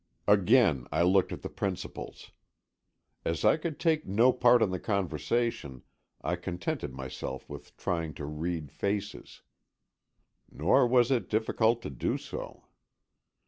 Again I looked at the principals. As I could take no part in the conversation, I contented myself with trying to read faces. Nor was it difficult to do so.